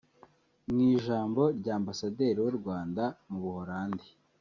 Mu ijambo rya Ambasaderi w’u Rwanda mu Buholandi